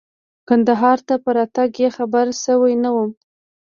کندهار ته په راتګ یې خبر شوی نه وم.